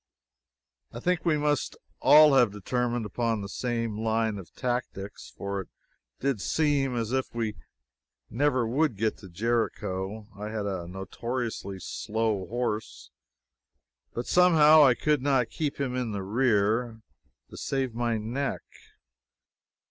I think we must all have determined upon the same line of tactics, for it did seem as if we never would get to Jericho. I had a notoriously slow horse, but somehow I could not keep him in the rear, to save my neck.